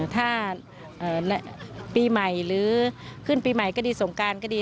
ถ้าปีใหม่หรือขึ้นปีใหม่ก็ดีสงการก็ดี